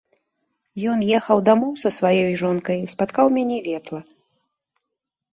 Ён ехаў дамоў са сваёй жонкаю і спаткаў мяне ветла.